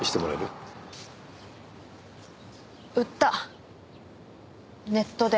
売ったネットで。